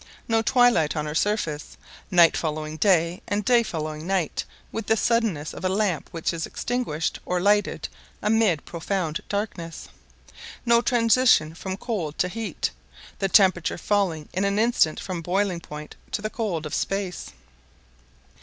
No twilight on her surface; night following day and day following night with the suddenness of a lamp which is extinguished or lighted amid profound darkness—no transition from cold to heat, the temperature falling in an instant from boiling point to the cold of space.